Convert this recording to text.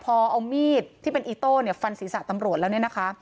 พอเอามีดที่เป็นอีโต้เนี่ยฟันศีรษะตำรวจแล้วเนี่ยนะคะ